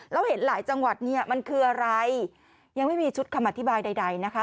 แล้วเห็นหลายจังหวัดเนี่ยมันคืออะไรยังไม่มีชุดคำอธิบายใดนะคะ